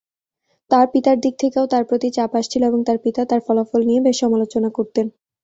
তার পিতার দিক থেকেও তার প্রতি চাপ আসছিল এবং তার পিতা তার ফলাফল নিয়ে বেশ সমালোচনা করতেন।